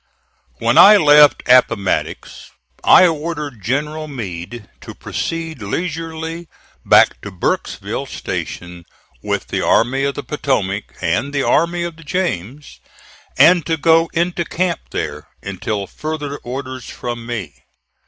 When I left Appomattox I ordered General Meade to proceed leisurely back to Burkesville Station with the Army of the Potomac and the Army of the James, and to go into camp there until further orders from me.